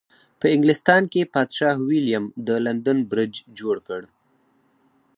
په انګلستان کې پادشاه ویلیم د لندن برج جوړ کړ.